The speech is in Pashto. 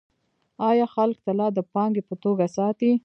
آیا خلک طلا د پانګې په توګه ساتي؟